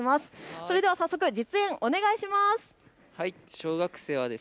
それでは早速、実演をお願いします。